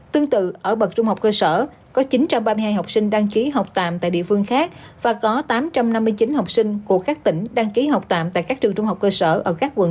tương tự ở bậc trung học cơ sở có chín trăm ba mươi hai học sinh đăng ký học tạm tại địa phương khác và có tám trăm năm mươi chín học sinh của các tỉnh đăng ký học tạm tại các trường trung học cơ sở ở các quận tám